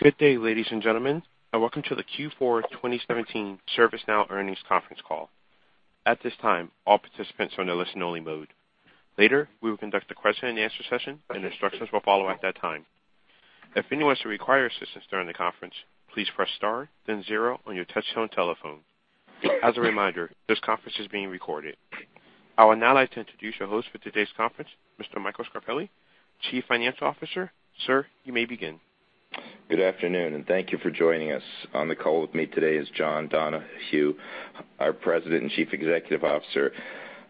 Good day, ladies and gentlemen, welcome to the Q4 2017 ServiceNow earnings conference call. At this time, all participants are in a listen only mode. Later, we will conduct a question and answer session, instructions will follow at that time. If anyone should require assistance during the conference, please press star then zero on your touchtone telephone. As a reminder, this conference is being recorded. I would now like to introduce your host for today's conference, Mr. Michael Scarpelli, Chief Financial Officer. Sir, you may begin. Good afternoon, thank you for joining us. On the call with me today is John Donahoe, our President and Chief Executive Officer.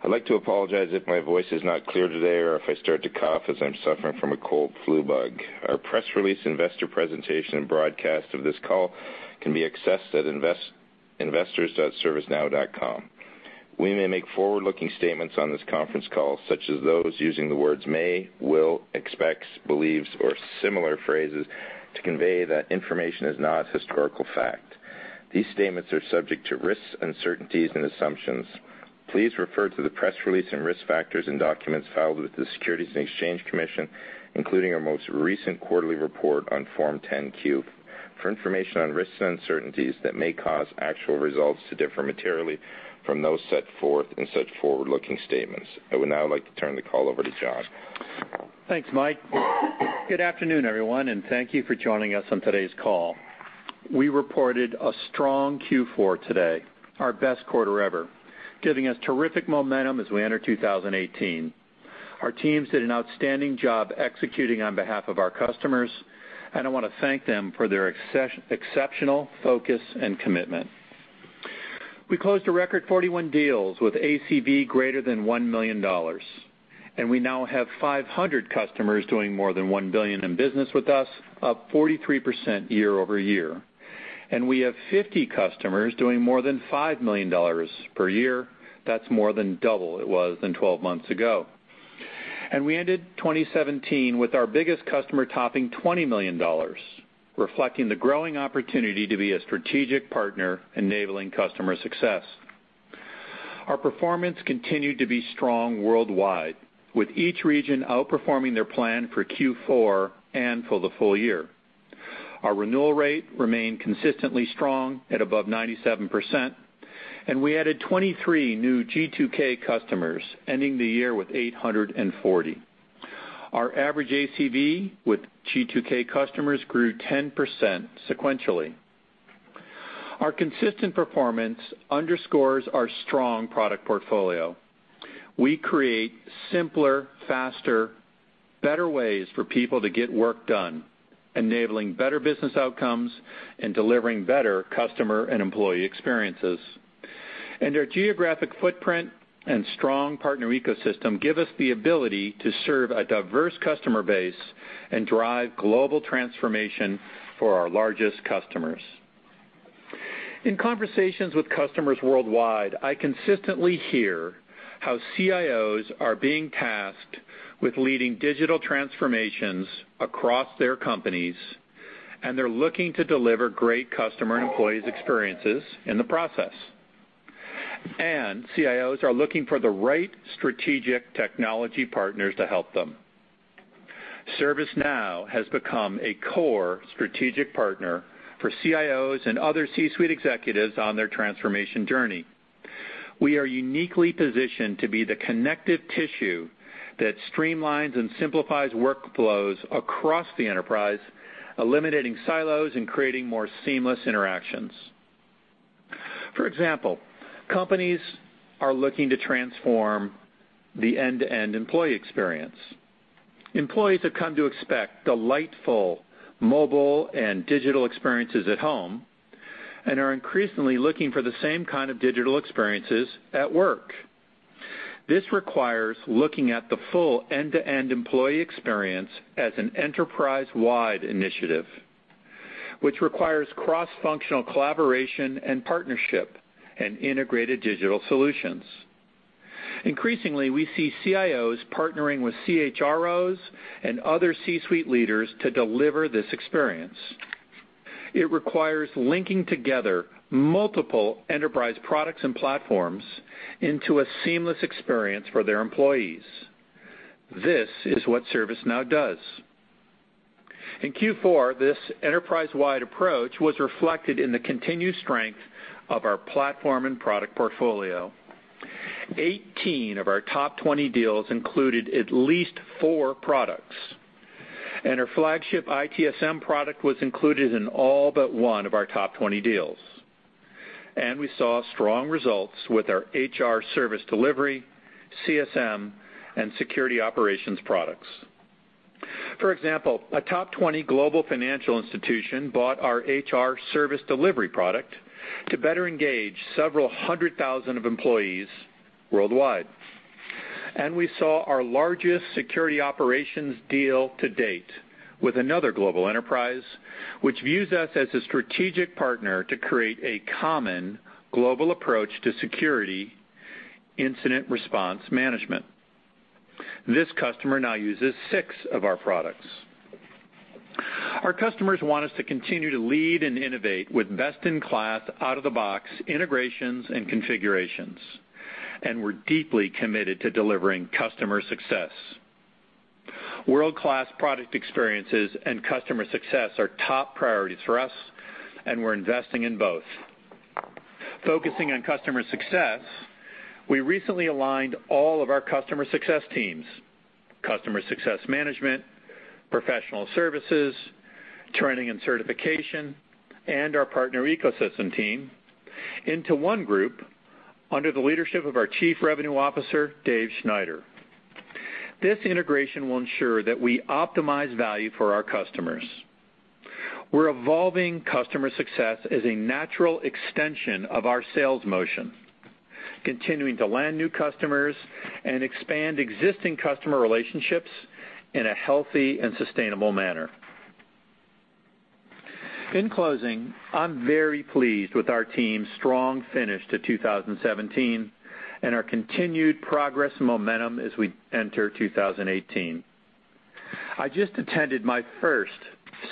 I'd like to apologize if my voice is not clear today or if I start to cough, as I'm suffering from a cold flu bug. Our press release investor presentation and broadcast of this call can be accessed at investors.servicenow.com. We may make forward-looking statements on this conference call, such as those using the words may, will, expects, believes, or similar phrases to convey that information is not historical fact. These statements are subject to risks, uncertainties, and assumptions. Please refer to the press release and risk factors in documents filed with the Securities and Exchange Commission, including our most recent quarterly report on Form 10-Q, for information on risks and uncertainties that may cause actual results to differ materially from those set forth in such forward-looking statements. I would now like to turn the call over to John. Thanks, Mike. Good afternoon, everyone, thank you for joining us on today's call. We reported a strong Q4 today, our best quarter ever, giving us terrific momentum as we enter 2018. Our teams did an outstanding job executing on behalf of our customers, I want to thank them for their exceptional focus and commitment. We closed a record 41 deals with ACV greater than $1 million, we now have 500 customers doing more than $1 billion in business with us, up 43% year-over-year. We have 50 customers doing more than $5 million per year. That's more than double it was than 12 months ago. We ended 2017 with our biggest customer topping $20 million, reflecting the growing opportunity to be a strategic partner enabling customer success. Our performance continued to be strong worldwide, with each region outperforming their plan for Q4 and for the full year. Our renewal rate remained consistently strong at above 97%, and we added 23 new G2K customers, ending the year with 840. Our average ACV with G2K customers grew 10% sequentially. Our consistent performance underscores our strong product portfolio. We create simpler, faster, better ways for people to get work done, enabling better business outcomes and delivering better customer and employees experiences. Our geographic footprint and strong partner ecosystem give us the ability to serve a diverse customer base and drive global transformation for our largest customers. In conversations with customers worldwide, I consistently hear how CIOs are being tasked with leading digital transformations across their companies, and they're looking to deliver great customer and employees experiences in the process. CIOs are looking for the right strategic technology partners to help them. ServiceNow has become a core strategic partner for CIOs and other C-suite executives on their transformation journey. We are uniquely positioned to be the connective tissue that streamlines and simplifies workflows across the enterprise, eliminating silos and creating more seamless interactions. For example, companies are looking to transform the end-to-end employee experience. Employees have come to expect delightful mobile and digital experiences at home, and are increasingly looking for the same kind of digital experiences at work. This requires looking at the full end-to-end employee experience as an enterprise-wide initiative, which requires cross-functional collaboration and partnership and integrated digital solutions. Increasingly, we see CIOs partnering with CHROs and other C-suite leaders to deliver this experience. It requires linking together multiple enterprise products and platforms into a seamless experience for their employees. This is what ServiceNow does. In Q4, this enterprise-wide approach was reflected in the continued strength of our platform and product portfolio. 18 of our top 20 deals included at least four products. Our flagship ITSM product was included in all but one of our top 20 deals. We saw strong results with our HR Service Delivery, CSM, and Security Operations products. For example, a top 20 global financial institution bought our HR Service Delivery product to better engage several hundred thousand of employees worldwide. We saw our largest Security Operations deal to date with another global enterprise, which views us as a strategic partner to create a common global approach to security incident response management. This customer now uses six of our products. Our customers want us to continue to lead and innovate with best-in-class, out-of-the-box integrations and configurations, and we're deeply committed to delivering customer success. World-class product experiences and customer success are top priorities for us, and we're investing in both. Focusing on customer success, we recently aligned all of our customer success teams, customer success management, professional services, training and certification, and our partner ecosystem team into one group under the leadership of our Chief Revenue Officer, Dave Schneider. This integration will ensure that we optimize value for our customers. We're evolving customer success as a natural extension of our sales motion, continuing to land new customers and expand existing customer relationships in a healthy and sustainable manner. In closing, I'm very pleased with our team's strong finish to 2017 and our continued progress and momentum as we enter 2018. I just attended my first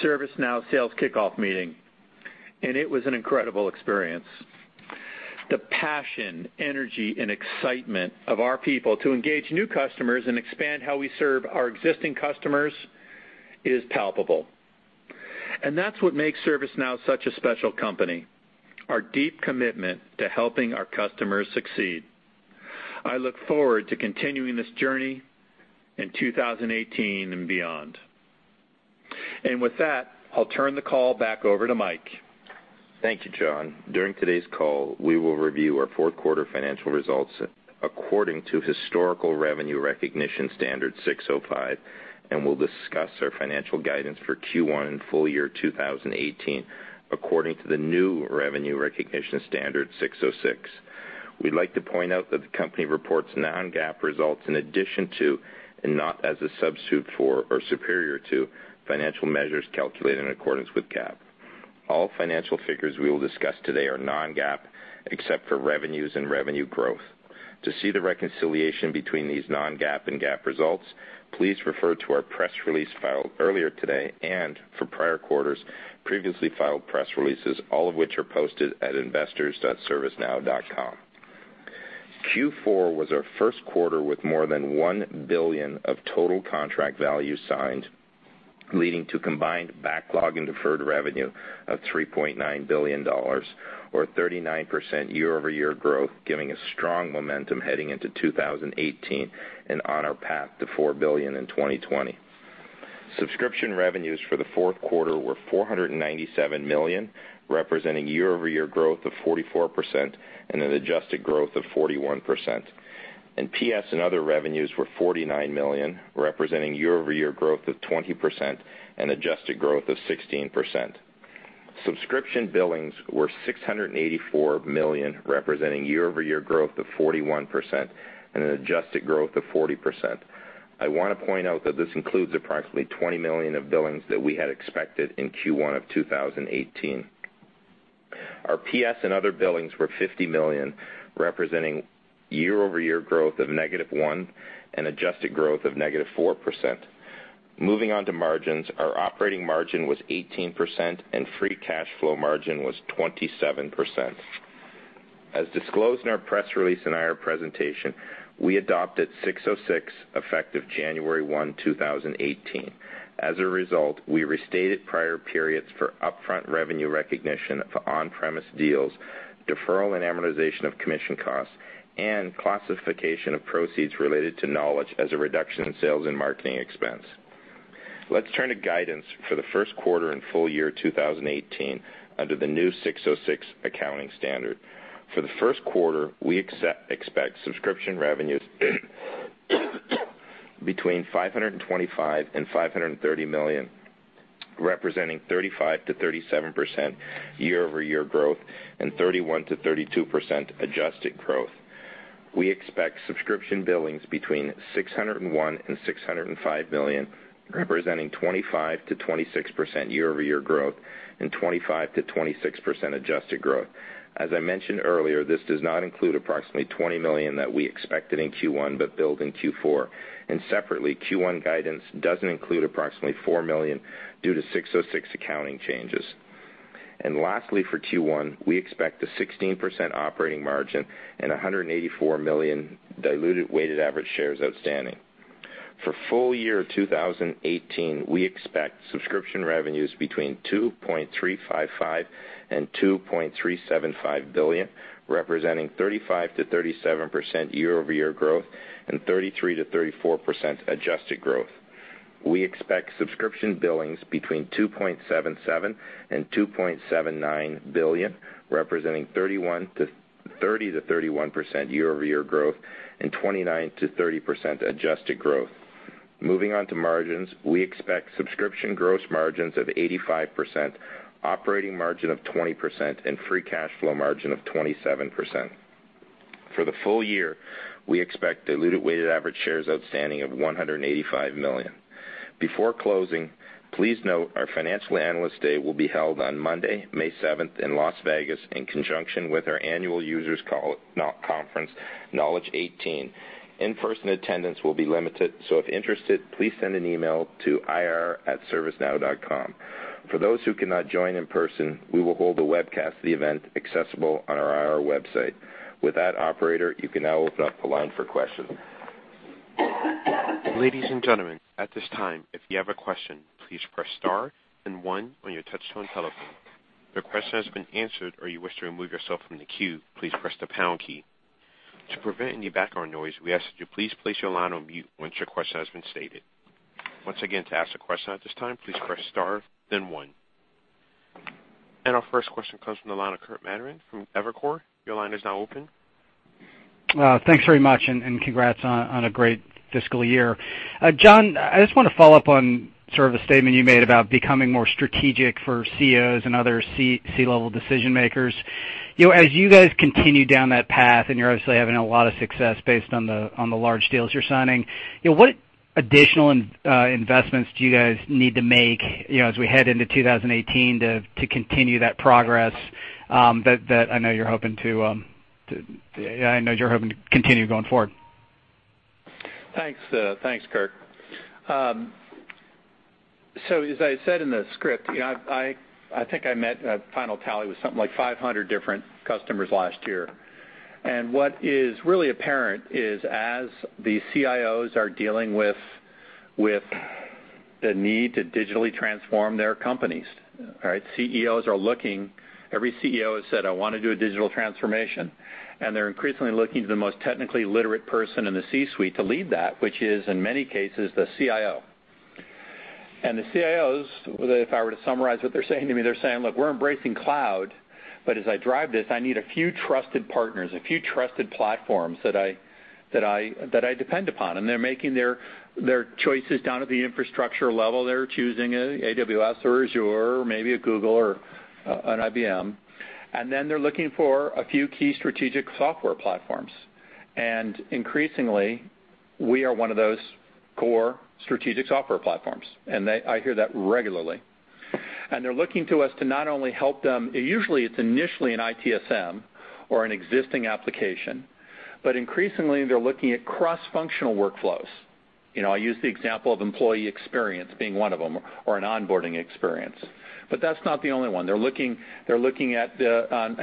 ServiceNow sales kickoff meeting, and it was an incredible experience. The passion, energy, and excitement of our people to engage new customers and expand how we serve our existing customers is palpable, and that's what makes ServiceNow such a special company, our deep commitment to helping our customers succeed. I look forward to continuing this journey in 2018 and beyond. With that, I'll turn the call back over to Mike. Thank you, John. During today's call, we will review our fourth quarter financial results according to historical Revenue Recognition Standard 605, and we'll discuss our financial guidance for Q1 and full year 2018 according to the new Revenue Recognition Standard 606. We'd like to point out that the company reports non-GAAP results in addition to, and not as a substitute for or superior to, financial measures calculated in accordance with GAAP. All financial figures we will discuss today are non-GAAP except for revenues and revenue growth. To see the reconciliation between these non-GAAP and GAAP results, please refer to our press release filed earlier today and for prior quarters, previously filed press releases, all of which are posted at investors.servicenow.com. Q4 was our first quarter with more than $1 billion of total contract value signed, leading to combined backlog and deferred revenue of $3.9 billion, or 39% year-over-year growth, giving us strong momentum heading into 2018 and on our path to $4 billion in 2020. Subscription revenues for the fourth quarter were $497 million, representing year-over-year growth of 44% and an adjusted growth of 41%. PS and other revenues were $49 million, representing year-over-year growth of 20% and adjusted growth of 16%. Subscription billings were $684 million, representing year-over-year growth of 41% and an adjusted growth of 40%. I want to point out that this includes approximately $20 million of billings that we had expected in Q1 of 2018. Our PS and other billings were $50 million, representing year-over-year growth of -1% and adjusted growth of -4%. Moving on to margins. Our operating margin was 18% and free cash flow margin was 27%. As disclosed in our press release and IR presentation, we adopted 606 effective January 1, 2018. As a result, we restated prior periods for upfront revenue recognition for on-premise deals, deferral and amortization of commission costs, and classification of proceeds related to Knowledge as a reduction in sales and marketing expense. Let's turn to guidance for the first quarter and full year 2018 under the new 606 accounting standard. For the first quarter, we expect subscription revenues between $525 million and $530 million, representing 35%-37% year-over-year growth and 31%-32% adjusted growth. We expect subscription billings between $601 million and $605 million, representing 25%-26% year-over-year growth and 25%-26% adjusted growth. As I mentioned earlier, this does not include approximately $20 million that we expected in Q1 but billed in Q4. Separately, Q1 guidance doesn't include approximately $4 million due to 606 accounting changes. Lastly, for Q1, we expect a 16% operating margin and 184 million diluted weighted average shares outstanding. For full year 2018, we expect subscription revenues between $2.355 billion and $2.375 billion, representing 35%-37% year-over-year growth and 33%-34% adjusted growth. We expect subscription billings between $2.77 billion and $2.79 billion, representing 30%-31% year-over-year growth and 29%-30% adjusted growth. Moving on to margins. We expect subscription gross margins of 85%, operating margin of 20%, and free cash flow margin of 27%. For the full year, we expect diluted weighted average shares outstanding of 185 million. Before closing, please note our financial analyst day will be held on Monday, May 7th in Las Vegas in conjunction with our annual users conference, Knowledge18. In-person attendance will be limited. If interested, please send an email to ir@servicenow.com. For those who cannot join in person, we will hold a webcast of the event accessible on our IR website. With that, operator, you can now open up the line for questions. Ladies and gentlemen, at this time, if you have a question, please press star and one on your touchtone telephone. If your question has been answered or you wish to remove yourself from the queue, please press the pound key. To prevent any background noise, we ask that you please place your line on mute once your question has been stated. Once again, to ask a question at this time, please press star, then one. Our first question comes from the line of Kirk Materne from Evercore. Your line is now open. Thanks very much, and congrats on a great fiscal year. John, I just want to follow up on sort of a statement you made about becoming more strategic for CIOs and other C-level decision-makers. As you guys continue down that path, and you're obviously having a lot of success based on the large deals you're signing, what additional investments do you guys need to make as we head into 2018 to continue that progress that I know you're hoping to continue going forward? Thanks. Thanks, Kirk. As I said in the script, I think I met, final tally, was something like 500 different customers last year. What is really apparent is as the CIOs are dealing with the need to digitally transform their companies, all right, CEOs are looking. Every CEO has said, "I want to do a digital transformation." They're increasingly looking to the most technically literate person in the C-suite to lead that, which is, in many cases, the CIO. The CIOs, if I were to summarize what they're saying to me, they're saying, "Look, we're embracing cloud, but as I drive this, I need a few trusted partners, a few trusted platforms that I depend upon." They're making their choices down at the infrastructure level. They're choosing AWS or Azure or maybe a Google or an IBM. They're looking for a few key strategic software platforms. Increasingly, we are one of those core strategic software platforms, and I hear that regularly. They're looking to us to not only help them, usually it's initially an ITSM or an existing application. Increasingly, they're looking at cross-functional workflows. I use the example of employee experience being one of them, or an onboarding experience. That's not the only one. They're looking at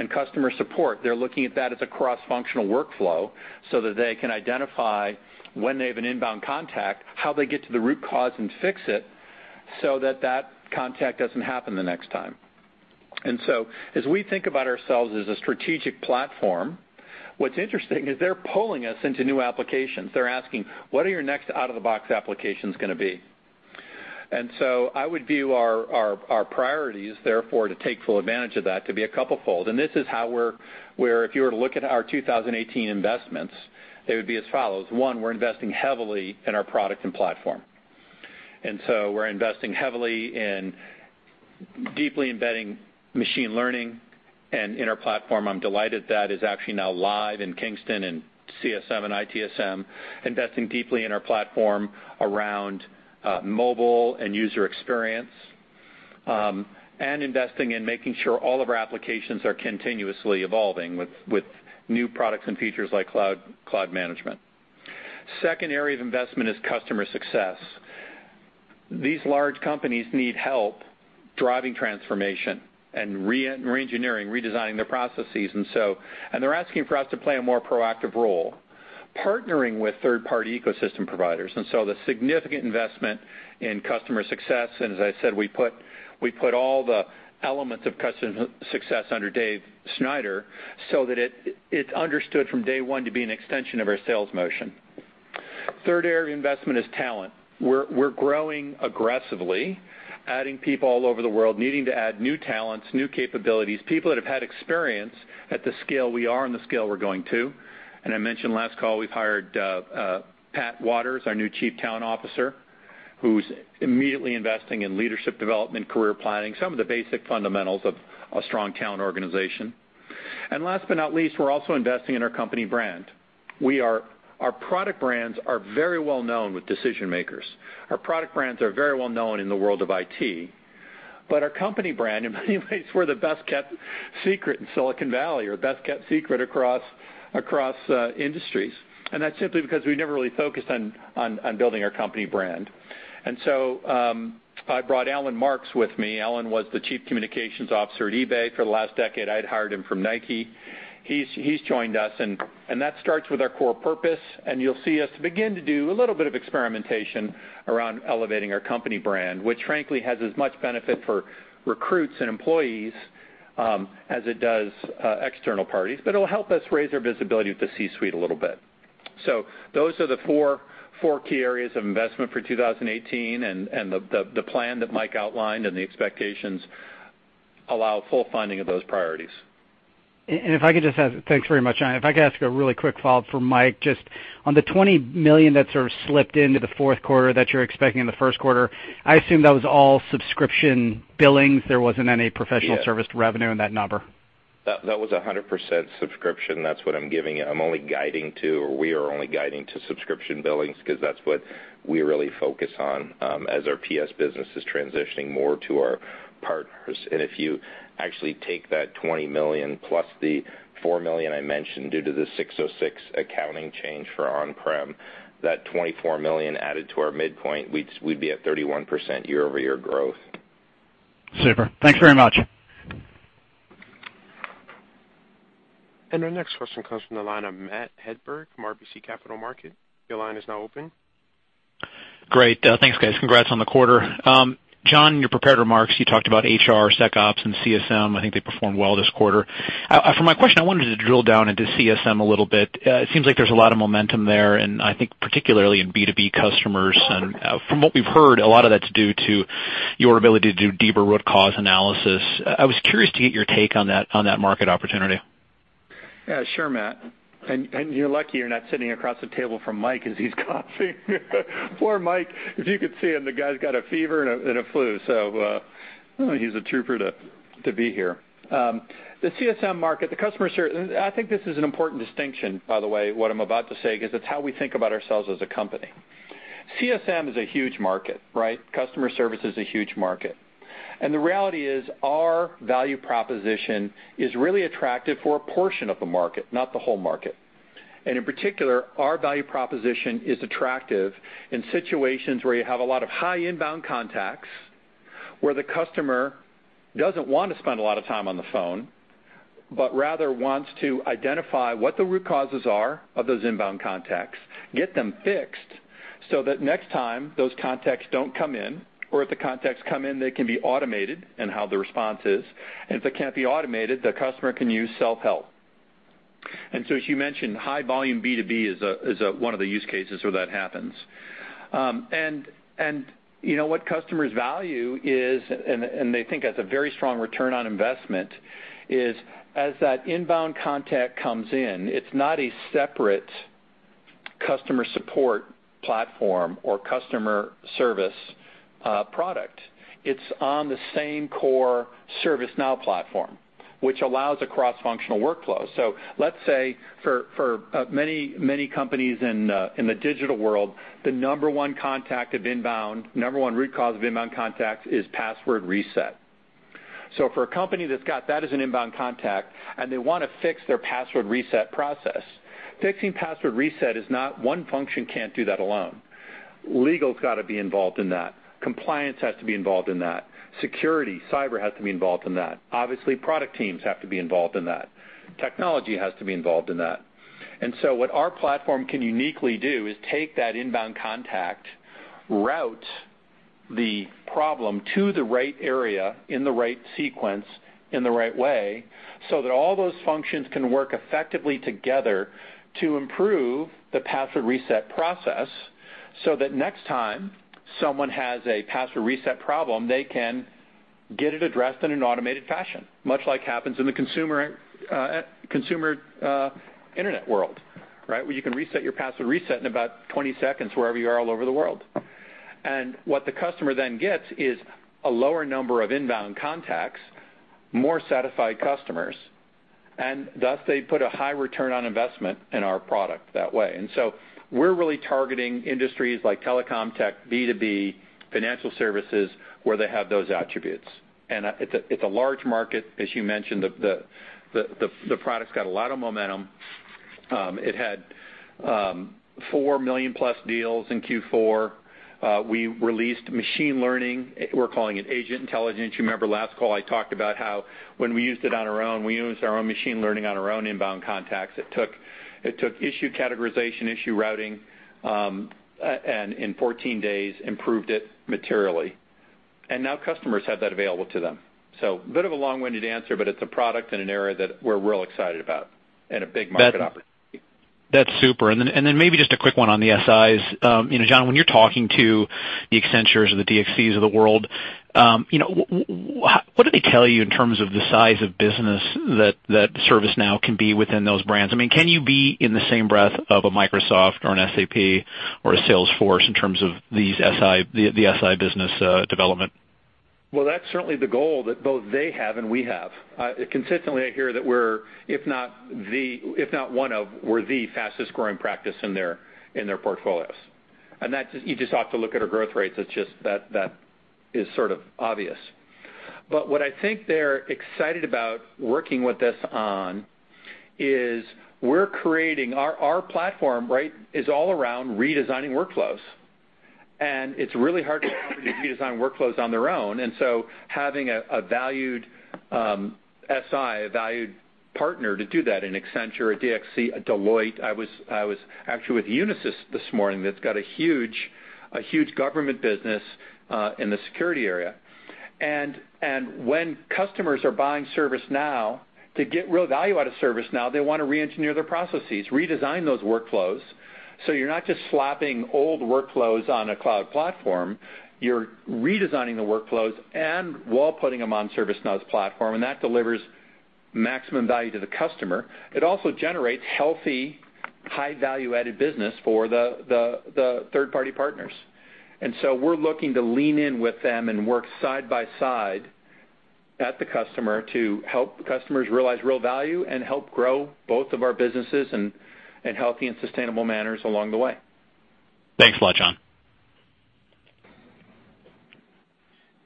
customer support. They're looking at that as a cross-functional workflow so that they can identify when they have an inbound contact, how they get to the root cause and fix it so that contact doesn't happen the next time. As we think about ourselves as a strategic platform, what's interesting is they're pulling us into new applications. They're asking, "What are your next out-of-the-box applications going to be?" I would view our priorities, therefore, to take full advantage of that to be a couple-fold. This is how we're, if you were to look at our 2018 investments, they would be as follows. One, we're investing heavily in our product and platform. We're investing heavily in deeply embedding machine learning in our platform. I'm delighted that is actually now live in Kingston and CSM and ITSM, investing deeply in our platform around mobile and user experience, and investing in making sure all of our applications are continuously evolving with new products and features like Cloud Management. Second area of investment is customer success. These large companies need help driving transformation and re-engineering, redesigning their processes, and they're asking for us to play a more proactive role, partnering with third-party ecosystem providers. The significant investment in customer success, as I said, we put all the elements of customer success under Dave Schneider so that it's understood from day one to be an extension of our sales motion. Third area of investment is talent. We're growing aggressively, adding people all over the world, needing to add new talents, new capabilities, people that have had experience at the scale we are and the scale we're going to. I mentioned last call, we've hired Pat Wadors, our new Chief Talent Officer, who's immediately investing in leadership development, career planning, some of the basic fundamentals of a strong talent organization. Last but not least, we're also investing in our company brand. Our product brands are very well known with decision-makers. Our product brands are very well known in the world of IT. Our company brand, in many ways, we're the best-kept secret in Silicon Valley or best-kept secret across industries. That's simply because we never really focused on building our company brand. I brought Alan Marks with me. Alan was the Chief Communications Officer at eBay for the last decade. I had hired him from Nike. He's joined us, and that starts with our core purpose, and you'll see us begin to do a little bit of experimentation around elevating our company brand, which frankly has as much benefit for recruits and employees as it does external parties. It'll help us raise our visibility with the C-suite a little bit. Those are the four key areas of investment for 2018, and the plan that Mike outlined and the expectations allow full funding of those priorities. If I could just add, thanks very much. If I could ask a really quick follow-up for Mike, just on the $20 million that sort of slipped into the fourth quarter that you're expecting in the first quarter, I assume that was all subscription billings. There wasn't any professional- Yes service revenue in that number. That was 100% subscription. That's what I'm giving you. I'm only guiding to, or we are only guiding to subscription billings because that's what we really focus on as our PS business is transitioning more to our part- If you actually take that $20 million plus the $4 million I mentioned due to the 606 accounting change for on-prem, that $24 million added to our midpoint, we'd be at 31% year-over-year growth. Super. Thanks very much. Our next question comes from the line of Matt Hedberg from RBC Capital Markets. Your line is now open. Great. Thanks, guys. Congrats on the quarter. John, in your prepared remarks, you talked about HR, SecOps, and CSM. I think they performed well this quarter. For my question, I wanted to drill down into CSM a little bit. It seems like there's a lot of momentum there, and I think particularly in B2B customers. From what we've heard, a lot of that's due to your ability to do deeper root cause analysis. I was curious to get your take on that market opportunity. Yeah, sure, Matt. You're lucky you're not sitting across the table from Michael as he's coughing. Poor Michael. If you could see him, the guy's got a fever and a flu, so he's a trooper to be here. The CSM market, I think this is an important distinction, by the way, what I'm about to say, because it's how we think about ourselves as a company. CSM is a huge market. Customer service is a huge market. The reality is, our value proposition is really attractive for a portion of the market, not the whole market. In particular, our value proposition is attractive in situations where you have a lot of high inbound contacts, where the customer doesn't want to spend a lot of time on the phone, but rather wants to identify what the root causes are of those inbound contacts, get them fixed so that next time, those contacts don't come in. If the contacts come in, they can be automated in how the response is. If they can't be automated, the customer can use self-help. As you mentioned, high volume B2B is one of the use cases where that happens. What customers value is, and they think as a very strong return on investment, is as that inbound contact comes in, it's not a separate customer support platform or customer service product. It's on the same core ServiceNow platform, which allows a cross-functional workflow. Let's say for many companies in the digital world, the number one root cause of inbound contacts is password reset. For a company that's got that as an inbound contact and they want to fix their password reset process, fixing password reset, one function can't do that alone. Legal's got to be involved in that. Compliance has to be involved in that. Security, cyber has to be involved in that. Obviously, product teams have to be involved in that. Technology has to be involved in that. What our platform can uniquely do is take that inbound contact, route the problem to the right area in the right sequence in the right way, so that all those functions can work effectively together to improve the password reset process, so that next time someone has a password reset problem, they can get it addressed in an automated fashion, much like happens in the consumer internet world. Where you can reset your password in about 20 seconds wherever you are all over the world. What the customer then gets is a lower number of inbound contacts, more satisfied customers, and thus they put a high return on investment in our product that way. We're really targeting industries like telecom, tech, B2B, financial services, where they have those attributes. It's a large market, as you mentioned. The product's got a lot of momentum. It had four million-plus deals in Q4. We released machine learning. We're calling it Agent Intelligence. You remember last call I talked about how when we used it on our own, we used our own machine learning on our own inbound contacts. It took issue categorization, issue routing, and in 14 days, improved it materially. Now customers have that available to them. A bit of a long-winded answer, but it's a product in an area that we're real excited about and a big market opportunity. That's super. Maybe just a quick one on the SIs. John, when you're talking to the Accentures or the DXCs of the world, what do they tell you in terms of the size of business that ServiceNow can be within those brands? Can you be in the same breath of a Microsoft or an SAP or a Salesforce in terms of the SI business development? That's certainly the goal that both they have and we have. Consistently, I hear that we're, if not one of, we're the fastest-growing practice in their portfolios. You just ought to look at our growth rates. That is sort of obvious. What I think they're excited about working with us on is our platform is all around redesigning workflows. It's really hard for companies to redesign workflows on their own. Having a valued SI, a valued partner to do that in Accenture, a DXC, a Deloitte. I was actually with Unisys this morning. That's got a huge government business in the security area. When customers are buying ServiceNow, to get real value out of ServiceNow, they want to re-engineer their processes, redesign those workflows. You're not just slapping old workflows on a cloud platform. You're redesigning the workflows and while putting them on ServiceNow's platform, and that delivers maximum value to the customer. It also generates healthy, high value-added business for the third-party partners. We're looking to lean in with them and work side by side at the customer to help customers realize real value and help grow both of our businesses in healthy and sustainable manners along the way. Thanks a lot, John.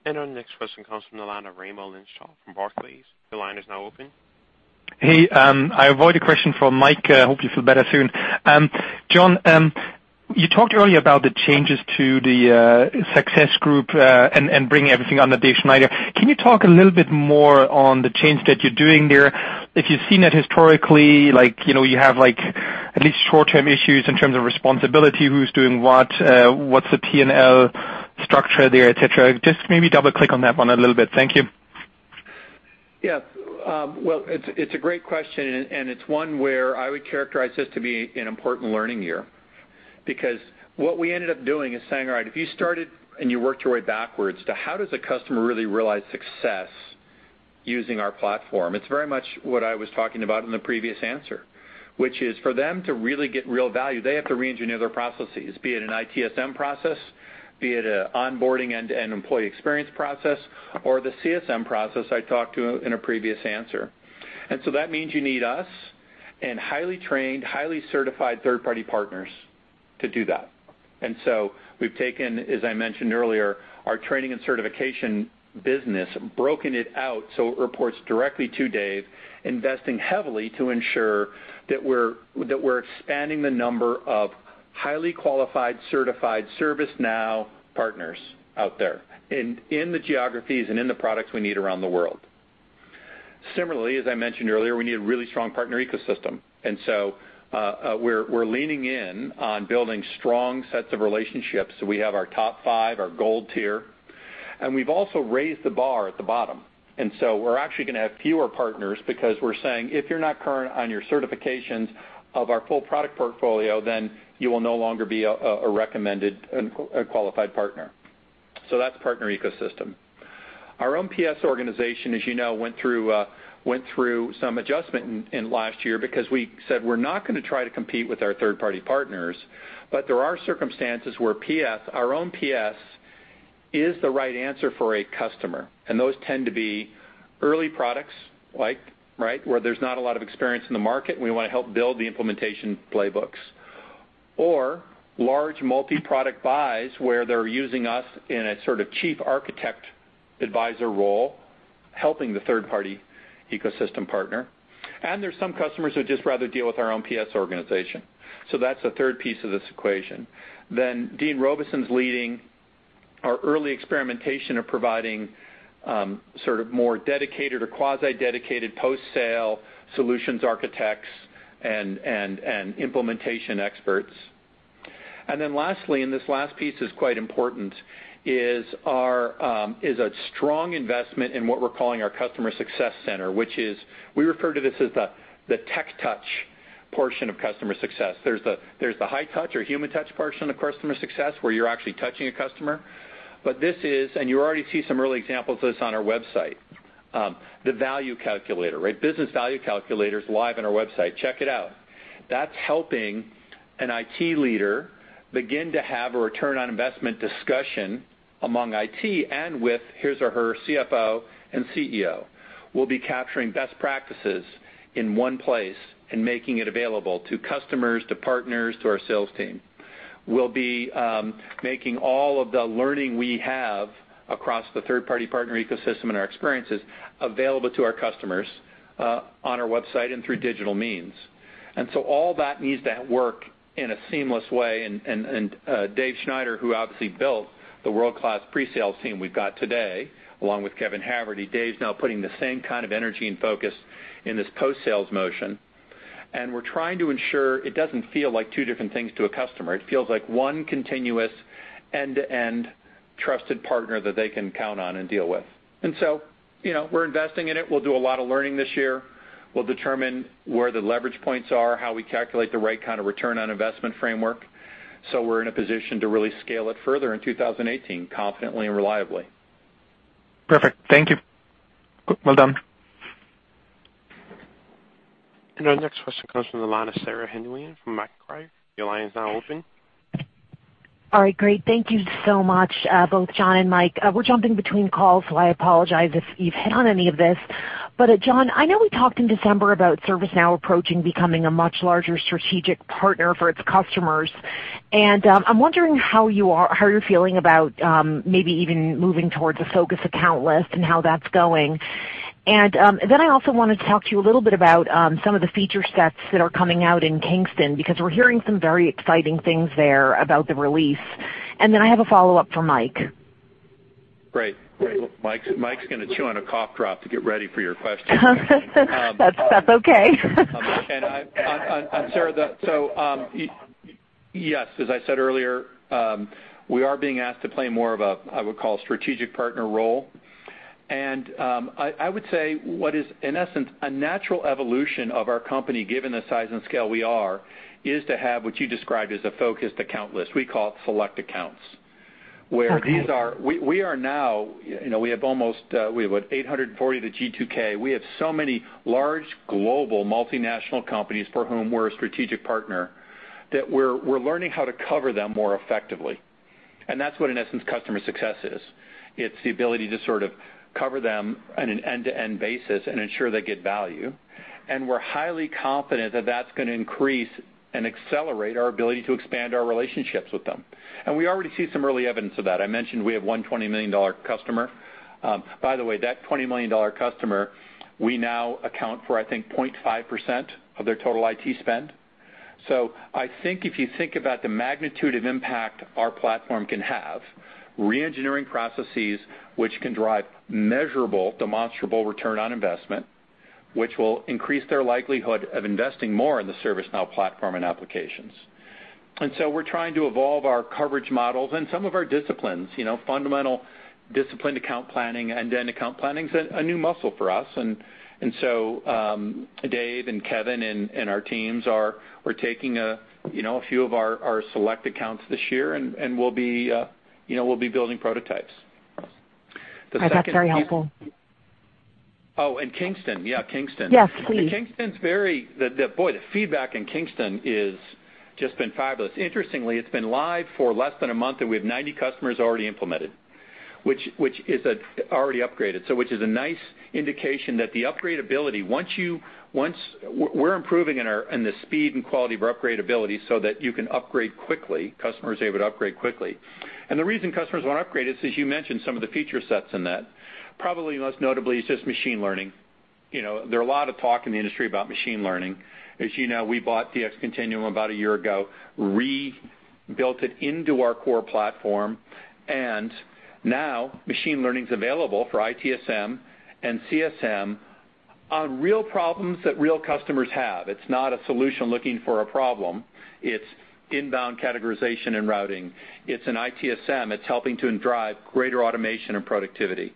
Our next question comes from the line of Raimo Lenschow from Barclays. Your line is now open. Hey. I avoid a question from Mike. Hope you feel better soon. John, you talked earlier about the changes to the success group, and bringing everything under Dave Schneider. Can you talk a little bit more on the change that you're doing there? If you've seen it historically, you have at least short-term issues in terms of responsibility, who's doing what's the P&L structure there, et cetera. Just maybe double-click on that one a little bit. Thank you. Well, it's a great question, and it's one where I would characterize this to be an important learning year. What we ended up doing is saying, all right, if you started and you worked your way backwards to how does a customer really realize success using our platform? It's very much what I was talking about in the previous answer, which is for them to really get real value, they have to re-engineer their processes, be it an ITSM process, be it a onboarding end-to-end employee experience process, or the CSM process I talked to in a previous answer. That means you need us and highly trained, highly certified third-party partners to do that. We've taken, as I mentioned earlier, our training and certification business, broken it out, so it reports directly to Dave, investing heavily to ensure that we're expanding the number of highly qualified, certified ServiceNow partners out there, and in the geographies and in the products we need around the world. Similarly, as I mentioned earlier, we need a really strong partner ecosystem. We're leaning in on building strong sets of relationships. We have our top five, our gold tier, and we've also raised the bar at the bottom. We're actually going to have fewer partners because we're saying, if you're not current on your certifications of our full product portfolio, then you will no longer be a recommended and qualified partner. That's partner ecosystem. Our own PS organization, as you know, went through some adjustment in last year because we said we're not going to try to compete with our third-party partners, but there are circumstances where PS, our own PS, is the right answer for a customer, and those tend to be early products where there's not a lot of experience in the market, and we want to help build the implementation playbooks. Or large multi-product buys where they're using us in a sort of chief architect advisor role, helping the third-party ecosystem partner. There's some customers who would just rather deal with our own PS organization. That's the third piece of this equation. Dean Robison's leading our early experimentation of providing sort of more dedicated or quasi-dedicated post-sale solutions architects and implementation experts. Lastly, and this last piece is quite important, is a strong investment in what we're calling our customer success center, which is, we refer to this as the tech touch portion of customer success. There's the high touch or human touch portion of customer success, where you're actually touching a customer. This is, and you already see some early examples of this on our website, the value calculator. Business value calculator is live on our website. Check it out. That's helping an IT leader begin to have a return on investment discussion among IT and with his or her CFO and CEO. We'll be capturing best practices in one place and making it available to customers, to partners, to our sales team. We'll be making all of the learning we have across the third-party partner ecosystem and our experiences available to our customers, on our website and through digital means. All that needs to work in a seamless way. Dave Schneider, who obviously built the world-class pre-sales team we've got today, along with Kevin Haverty, Dave's now putting the same kind of energy and focus in this post-sales motion, and we're trying to ensure it doesn't feel like two different things to a customer. It feels like one continuous end-to-end trusted partner that they can count on and deal with. We're investing in it. We'll do a lot of learning this year. We'll determine where the leverage points are, how we calculate the right kind of return on investment framework. We're in a position to really scale it further in 2018, confidently and reliably. Perfect. Thank you. Well done. Our next question comes from the line of Sarah Hindlian from Macquarie. Your line is now open. All right. Great. Thank you so much, both John and Mike. We're jumping between calls, so I apologize if you've hit on any of this. John, I know we talked in December about ServiceNow approaching becoming a much larger strategic partner for its customers. I'm wondering how you're feeling about maybe even moving towards a focus account list and how that's going. I also wanted to talk to you a little bit about some of the feature sets that are coming out in Kingston, because we're hearing some very exciting things there about the release. I have a follow-up for Mike. Great. Mike's going to chew on a cough drop to get ready for your question. That's okay. Sarah, yes, as I said earlier, we are being asked to play more of a, I would call, strategic partner role. I would say what is in essence a natural evolution of our company given the size and scale we are, is to have what you described as a focused account list. We call it select accounts. Okay. We are now, we have almost 840 to G2K. We have so many large global multinational companies for whom we're a strategic partner that we're learning how to cover them more effectively. That's what, in essence, customer success is. It's the ability to sort of cover them on an end-to-end basis and ensure they get value. We're highly confident that that's going to increase and accelerate our ability to expand our relationships with them. We already see some early evidence of that. I mentioned we have one $20 million customer. By the way, that $20 million customer, we now account for, I think, 0.5% of their total IT spend. I think if you think about the magnitude of impact our platform can have, re-engineering processes which can drive measurable, demonstrable return on investment, which will increase their likelihood of investing more in the ServiceNow platform and applications. We're trying to evolve our coverage models and some of our disciplines. Fundamental discipline account planning, end-to-end account planning is a new muscle for us. Dave and Kevin and our teams are taking a few of our select accounts this year, and we'll be building prototypes. That's very helpful. Oh, Kingston. Yeah, Kingston. Yes, please. Boy, the feedback in Kingston is just been fabulous. Interestingly, it's been live for less than a month, and we have 90 customers already implemented, which is already upgraded. Which is a nice indication that the upgradeability, we're improving in the speed and quality of our upgradeability so that you can upgrade quickly, customers are able to upgrade quickly. The reason customers want to upgrade is, as you mentioned, some of the feature sets in that, probably most notably is just machine learning. There are a lot of talk in the industry about machine learning. As you know, we bought DxContinuum about a year ago, rebuilt it into our core platform, and now machine learning is available for ITSM and CSM on real problems that real customers have. It's not a solution looking for a problem. It's inbound categorization and routing. It's an ITSM. It's helping to drive greater automation and productivity.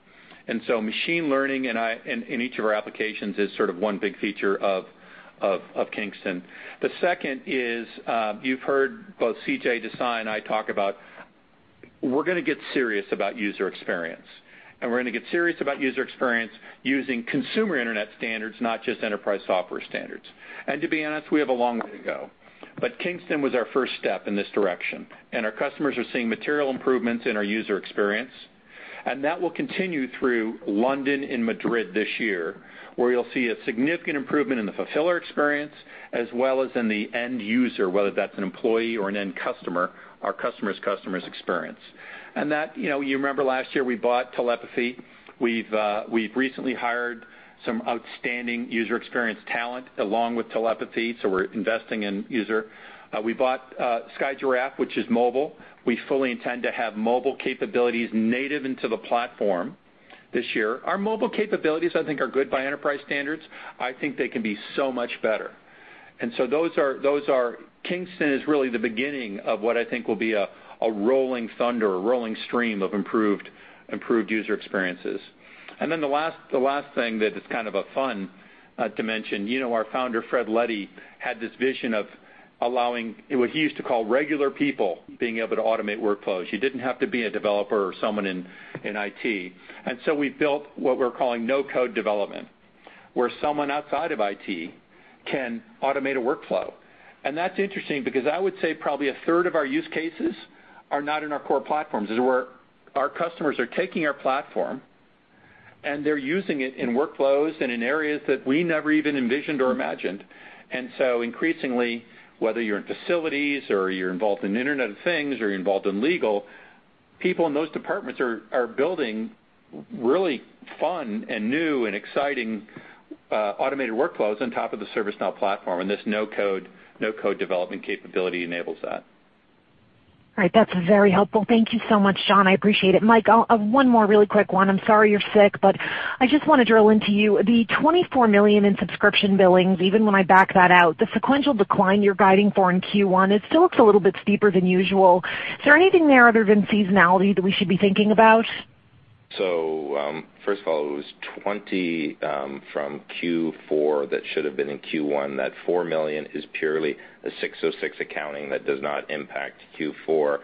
Machine learning in each of our applications is sort of one big feature of Kingston. The second is, you've heard both CJ Desai and I talk about we're going to get serious about user experience, we're going to get serious about user experience using consumer internet standards, not just enterprise software standards. To be honest, we have a long way to go. Kingston was our first step in this direction, and our customers are seeing material improvements in our user experience. That will continue through London and Madrid this year, where you'll see a significant improvement in the fulfiller experience as well as in the end user, whether that's an employee or an end customer, our customer's customer's experience. That, you remember last year we bought Telepathy. We've recently hired some outstanding user experience talent along with Telepathy, so we're investing in user. We bought SkyGiraffe, which is mobile. We fully intend to have mobile capabilities native into the platform this year. Our mobile capabilities, I think, are good by enterprise standards. I think they can be so much better. Kingston is really the beginning of what I think will be a rolling thunder, a rolling stream of improved user experiences. The last thing that is kind of fun to mention. Our founder, Fred Luddy, had this vision of allowing what he used to call regular people being able to automate workflows. You didn't have to be a developer or someone in IT. We built what we're calling no-code development, where someone outside of IT can automate a workflow. That's interesting because I would say probably a third of our use cases are not in our core platforms. Our customers are taking our platform, and they're using it in workflows and in areas that we never even envisioned or imagined. Increasingly, whether you're in facilities or you're involved in Internet of Things or you're involved in legal, people in those departments are building really fun and new and exciting automated workflows on top of the ServiceNow platform, and this no-code development capability enables that. All right. That's very helpful. Thank you so much, John. I appreciate it. Mike, one more really quick one. I'm sorry you're sick, I just want to drill into you. The $24 million in subscription billings, even when I back that out, the sequential decline you're guiding for in Q1, it still looks a little bit steeper than usual. Is there anything there other than seasonality that we should be thinking about? First of all, it was 20 from Q4 that should have been in Q1. That $4 million is purely a 606 accounting that does not impact Q4.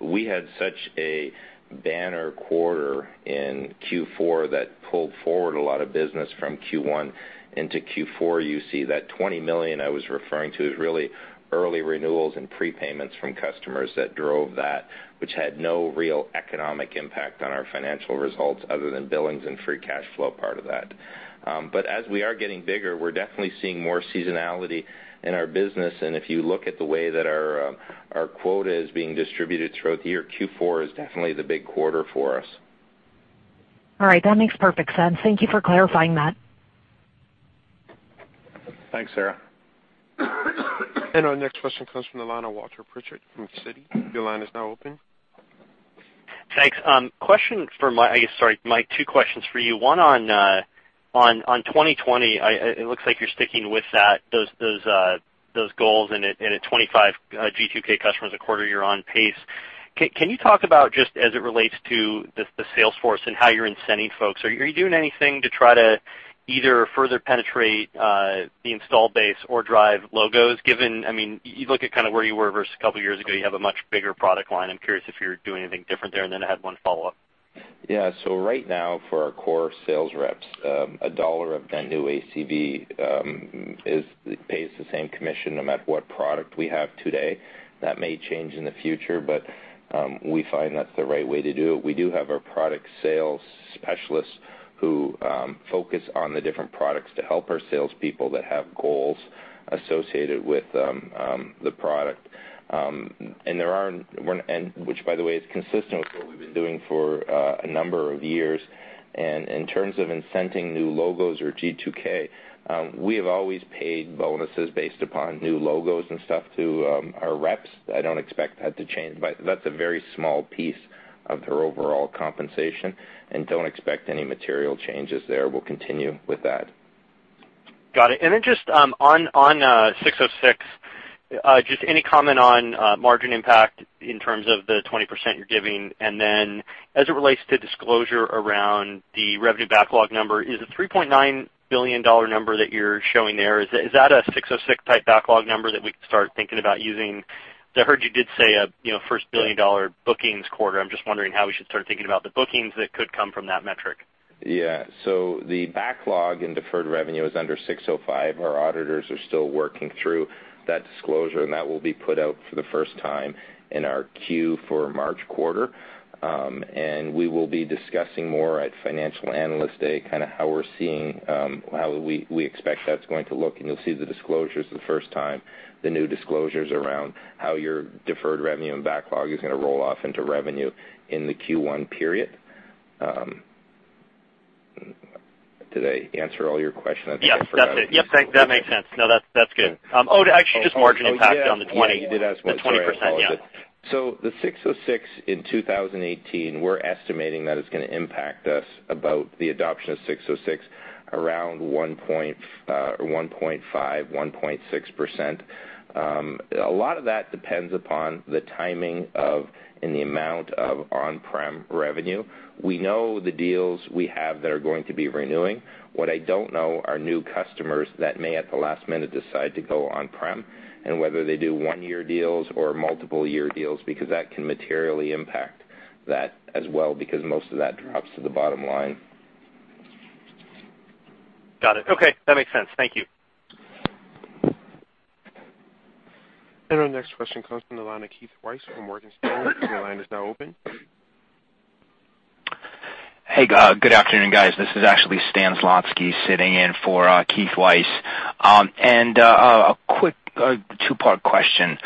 We had such a banner quarter in Q4 that pulled forward a lot of business from Q1 into Q4. You see that $20 million I was referring to is really early renewals and prepayments from customers that drove that, which had no real economic impact on our financial results other than billings and free cash flow part of that. As we are getting bigger, we're definitely seeing more seasonality in our business. If you look at the way that our quota is being distributed throughout the year, Q4 is definitely the big quarter for us. All right. That makes perfect sense. Thank you for clarifying that. Thanks, Sarah. Our next question comes from the line of Walter Pritchard from Citi. Your line is now open. Thanks. Mike, two questions for you. One on 2020. It looks like you're sticking with those goals and at 25 G2K customers a quarter, you're on pace. Can you talk about just as it relates to the sales force and how you're incenting folks? Are you doing anything to try to either further penetrate the install base or drive logos given, you look at kind of where you were versus a couple of years ago, you have a much bigger product line. I'm curious if you're doing anything different there. I had one follow-up. Right now, for our core sales reps, $1 of net new ACV pays the same commission no matter what product we have today. That may change in the future, but we find that's the right way to do it. We do have our product sales specialists who focus on the different products to help our salespeople that have goals associated with the product. Which, by the way, is consistent with what we've been doing for a number of years. In terms of incenting new logos or G2K, we have always paid bonuses based upon new logos and stuff to our reps. I don't expect that to change, but that's a very small piece of their overall compensation, and don't expect any material changes there. We'll continue with that. Got it. Just on 606, just any comment on margin impact in terms of the 20% you're giving? As it relates to disclosure around the revenue backlog number, is the $3.9 billion number that you're showing there, is that a 606-type backlog number that we can start thinking about using? I heard you did say first billion-dollar bookings quarter. I'm just wondering how we should start thinking about the bookings that could come from that metric. The backlog in deferred revenue is under 605. Our auditors are still working through that disclosure, and that will be put out for the first time in our Q for March quarter. We will be discussing more at Financial Analyst Day, how we expect that's going to look, and you'll see the disclosures the first time, the new disclosures around how your deferred revenue and backlog is going to roll off into revenue in the Q1 period. Did I answer all your questions? Yes, that makes sense. No, that's good. Actually, just margin impact on the 20- Yeah. the 20%, yeah. You did ask one. Sorry, I apologize. The 606 in 2018, we're estimating that it's going to impact us, about the adoption of 606, around 1.5%, 1.6%. A lot of that depends upon the timing of and the amount of on-prem revenue. We know the deals we have that are going to be renewing. What I don't know are new customers that may, at the last minute, decide to go on-prem, and whether they do one-year deals or multiple-year deals, because that can materially impact that as well, because most of that drops to the bottom line. Got it. Okay. That makes sense. Thank you. Our next question comes from the line of Keith Weiss from Morgan Stanley. Your line is now open. Hey, good afternoon, guys. This is actually Stan Zlotsky sitting in for Keith Weiss. A quick two-part question.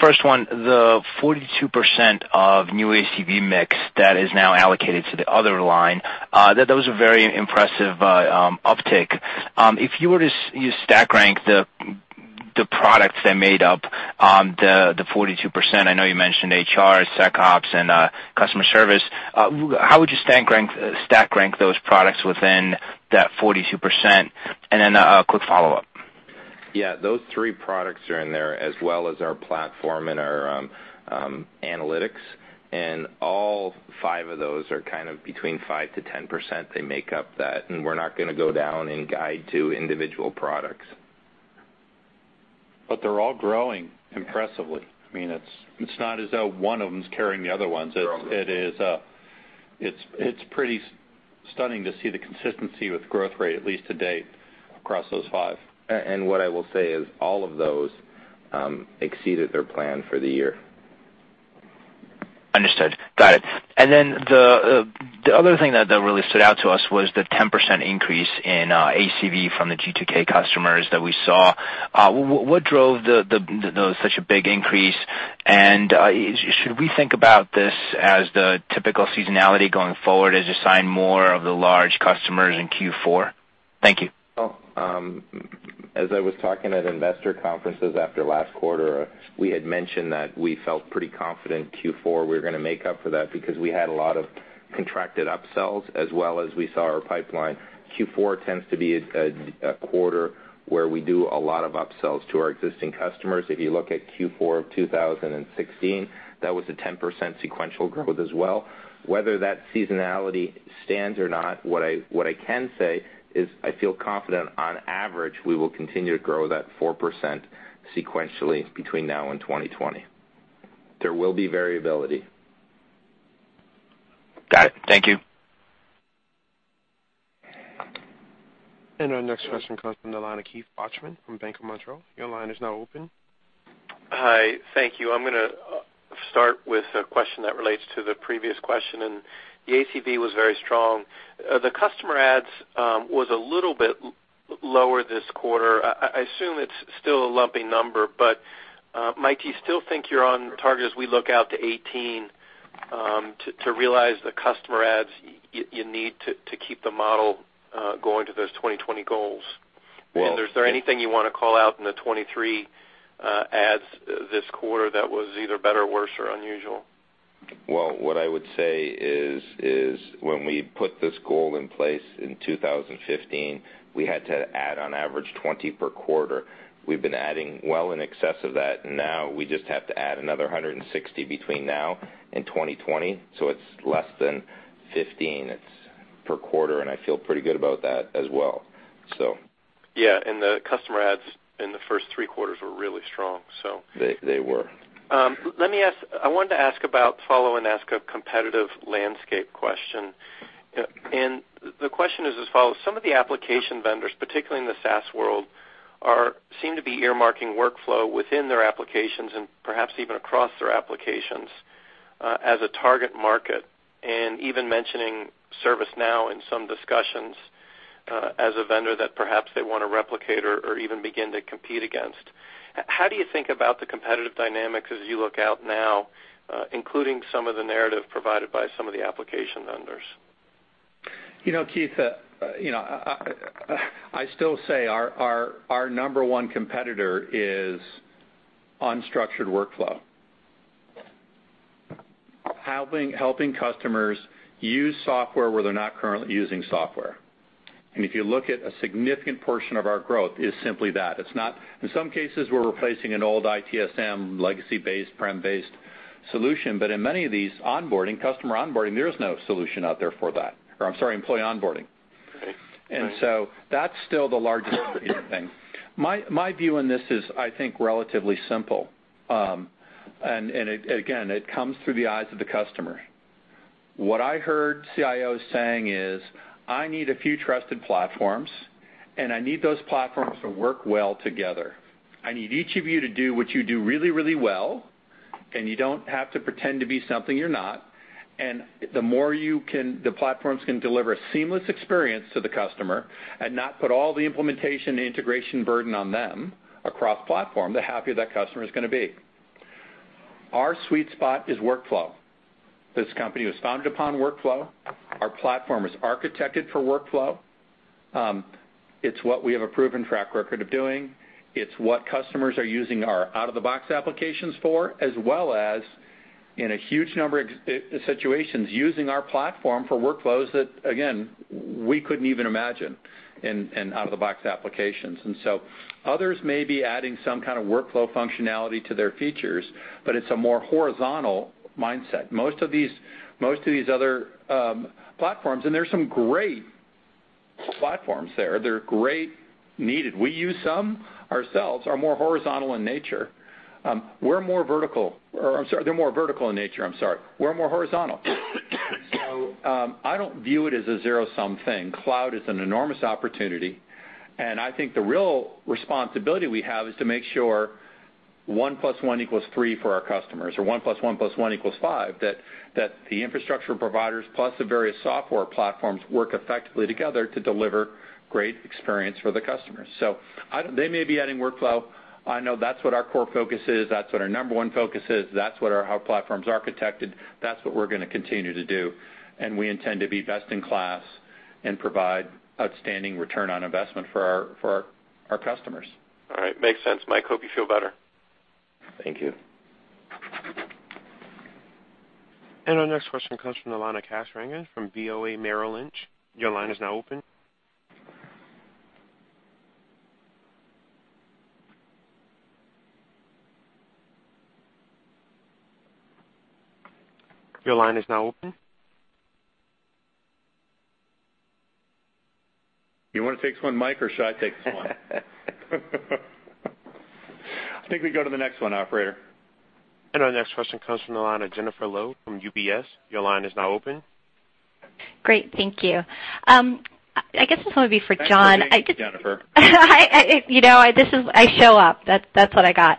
First one, the 42% of new ACV mix that is now allocated to the other line, that was a very impressive uptick. If you were to stack rank the products that made up the 42%, I know you mentioned HR, SecOps, and customer service, how would you stack rank those products within that 42%? Then a quick follow-up. Yeah. Those three products are in there, as well as our platform and our analytics, all five of those are between 5%-10%. They make up that, we're not going to go down and guide to individual products. They're all growing impressively. It's not as though one of them is carrying the other ones. They all are. It's pretty stunning to see the consistency with growth rate, at least to date, across those five. What I will say is all of those exceeded their plan for the year. Understood. Got it. The other thing that really stood out to us was the 10% increase in ACV from the G2K customers that we saw. What drove such a big increase? Should we think about this as the typical seasonality going forward as you sign more of the large customers in Q4? Thank you. As I was talking at investor conferences after last quarter, we had mentioned that we felt pretty confident Q4 we were going to make up for that because we had a lot of contracted upsells as well as we saw our pipeline. Q4 tends to be a quarter where we do a lot of upsells to our existing customers. If you look at Q4 of 2016, that was a 10% sequential growth as well. Whether that seasonality stands or not, what I can say is I feel confident on average, we will continue to grow that 4% sequentially between now and 2020. There will be variability. Got it. Thank you. Our next question comes from the line of Keith Bachman from Bank of Montreal. Your line is now open. Hi. Thank you. I'm going to start with a question that relates to the previous question. The ACV was very strong. The customer adds was a little bit lower this quarter. I assume it's still a lumpy number. Mike, do you still think you're on target as we look out to 2018 to realize the customer adds you need to keep the model going to those 2020 goals? Well- Is there anything you want to call out in the 23 adds this quarter that was either better, worse, or unusual? Well, what I would say is when we put this goal in place in 2015, we had to add on average 20 per quarter. We've been adding well in excess of that. Now we just have to add another 160 between now and 2020, so it's less than 15 per quarter, and I feel pretty good about that as well. Yeah, the customer adds in the first three quarters were really strong. They were. I wanted to ask about, follow and ask a competitive landscape question. The question is as follows. Some of the application vendors, particularly in the SaaS world, seem to be earmarking workflow within their applications and perhaps even across their applications, as a target market. Even mentioning ServiceNow in some discussions, as a vendor that perhaps they want to replicate or even begin to compete against. How do you think about the competitive dynamics as you look out now, including some of the narrative provided by some of the application vendors? Keith, I still say our number one competitor is unstructured workflow. Helping customers use software where they're not currently using software. If you look at a significant portion of our growth is simply that. In some cases, we're replacing an old ITSM legacy-based, prem-based solution. In many of these customer onboarding, there is no solution out there for that, or I'm sorry, employee onboarding. Right. That's still the largest thing. My view in this is, I think, relatively simple. It again, it comes through the eyes of the customer. What I heard CIOs saying is, "I need a few trusted platforms, and I need those platforms to work well together. I need each of you to do what you do really, really well, and you don't have to pretend to be something you're not." The more the platforms can deliver a seamless experience to the customer and not put all the implementation and integration burden on them across platform, the happier that customer is going to be. Our sweet spot is workflow. This company was founded upon workflow. Our platform is architected for workflow. It's what we have a proven track record of doing. It's what customers are using our out-of-the-box applications for, as well as, in a huge number of situations, using our platform for workflows that, again, we couldn't even imagine in out-of-the-box applications. Others may be adding some kind of workflow functionality to their features, but it's a more horizontal mindset. Most of these other platforms, and there's some great platforms there, they're great needed. We use some ourselves, are more horizontal in nature. We're more vertical. I'm sorry, they're more vertical in nature. I'm sorry. We're more horizontal. I don't view it as a zero-sum thing. Cloud is an enormous opportunity, I think the real responsibility we have is to make sure one plus one equals three for our customers, or one plus one plus one equals five, that the infrastructure providers plus the various software platforms work effectively together to deliver great experience for the customers. They may be adding workflow. I know that's what our core focus is. That's what our number 1 focus is. That's what our platform's architected. That's what we're going to continue to do, and we intend to be best in class and provide outstanding return on investment for our customers. All right. Makes sense, Mike. Hope you feel better. Thank you. Our next question comes from the line of Kash Rangan from BofA Merrill Lynch. Your line is now open. You want to take this one, Mike, or should I take this one? I think we go to the next one, operator. Our next question comes from the line of Jennifer Lowe from UBS. Your line is now open. Great. Thank you. I guess this one would be for John. Thanks for taking it, Jennifer. I show up. That's what I got.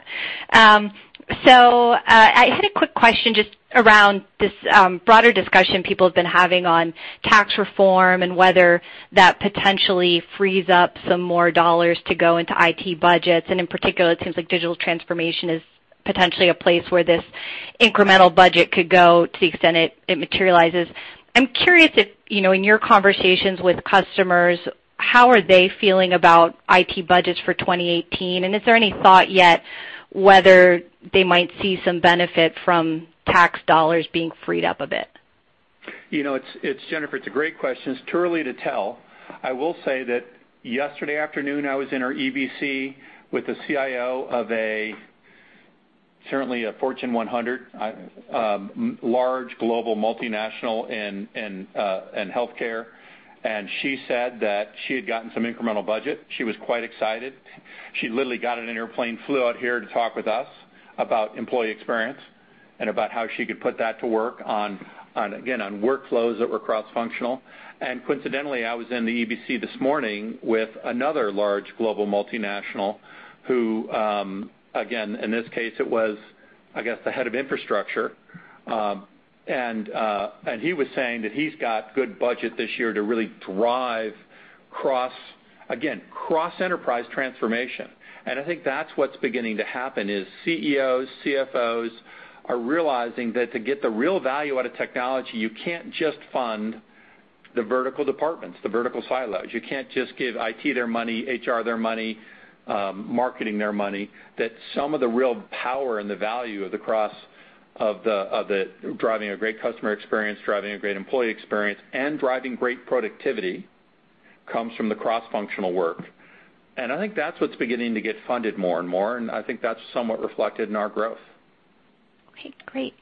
I had a quick question just around this broader discussion people have been having on tax reform and whether that potentially frees up some more dollars to go into IT budgets. In particular, it seems like digital transformation is potentially a place where this incremental budget could go to the extent it materializes. I'm curious if, in your conversations with customers, how are they feeling about IT budgets for 2018, and is there any thought yet whether they might see some benefit from tax dollars being freed up a bit? Jennifer, it's a great question. It's too early to tell. I will say that yesterday afternoon, I was in our EBC with the CIO of a, certainly a Fortune 100, large global multinational in healthcare, and she said that she had gotten some incremental budget. She was quite excited. She literally got in an airplane, flew out here to talk with us about employee experience and about how she could put that to work on, again, on workflows that were cross-functional. Coincidentally, I was in the EBC this morning with another large global multinational who, again, in this case it was, I guess, the head of infrastructure. He was saying that he's got good budget this year to really drive, again, cross-enterprise transformation. I think that's what's beginning to happen is CEOs, CFOs are realizing that to get the real value out of technology, you can't just fund the vertical departments, the vertical silos. You can't just give IT their money, HR their money, marketing their money. That some of the real power and the value of the driving a great customer experience, driving a great employee experience, and driving great productivity comes from the cross-functional work. I think that's what's beginning to get funded more and more, and I think that's somewhat reflected in our growth. Okay, great.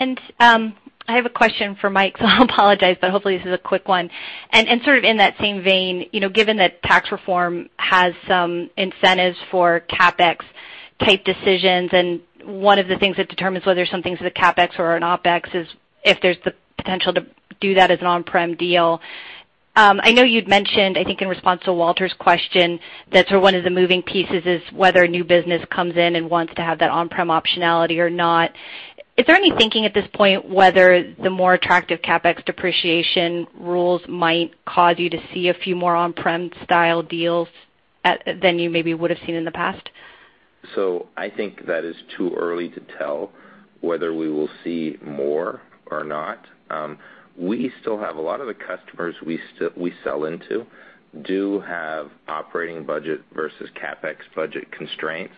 I have a question for Mike, so I apologize, but hopefully this is a quick one. Sort of in that same vein, given that tax reform has some incentives for CapEx type decisions, and one of the things that determines whether something's a CapEx or an OpEx is if there's the potential to do that as an on-prem deal. I know you'd mentioned, I think in response to Walter's question, that sort of one of the moving pieces is whether new business comes in and wants to have that on-prem optionality or not. Is there any thinking at this point whether the more attractive CapEx depreciation rules might cause you to see a few more on-prem style deals than you maybe would have seen in the past? I think that is too early to tell whether we will see more or not. We still have a lot of the customers we sell into do have operating budget versus CapEx budget constraints.